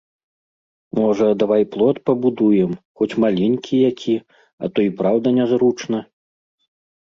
Можа, давай плот пабудуем, хоць маленькі які, а то і праўда нязручна.